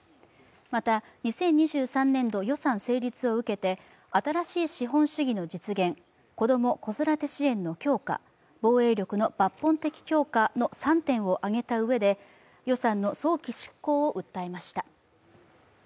また、２０２３年度予算成立を受けて、新しい資本主義の実現、子ども子育て支援の強化、防衛力の抜本的強化の３点を挙げたうえで予算の早期執行を訴えました。